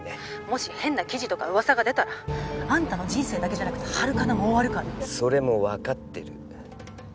もし変な記事とか噂が出たらあんたの人生だけじゃなくてハルカナも終わるからそれも分かってる